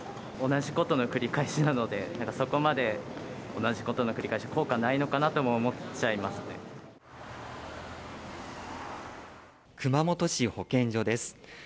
同じことの繰り返しなので、そこまで同じことの繰り返し、効果ないのかなとも思っちゃいま熊本市保健所です。